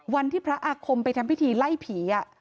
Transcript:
วันที่พระอาคมไปทำพิธีไล่ผี